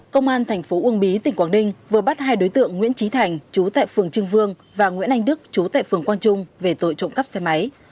công an tp uông bí tỉnh quảng đinh vừa bắt hai đối tượng nguyễn trí thành chú tại phường trương vương và nguyễn anh đức chú tại phường quang trung về tội trộm cắp xe máy